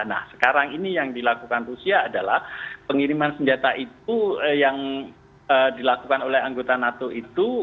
nah sekarang ini yang dilakukan rusia adalah pengiriman senjata itu yang dilakukan oleh anggota nato itu